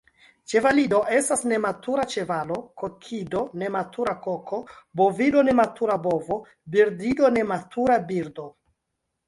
Ĉevalido estas nematura ĉevalo, kokido nematura koko, bovido nematura bovo, birdido nematura birdo.